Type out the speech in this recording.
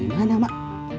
pesan tren mana mak